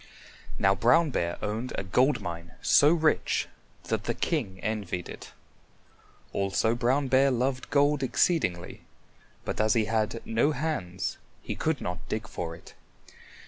Now Brown Bear owned a gold mine so rich that the king envied it. Also Brown Bear loved gold exceedingly, but as he had no hands he could not dig for it.